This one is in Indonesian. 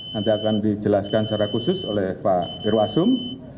nanti akan dijelaskan secara khusus oleh pak ir sus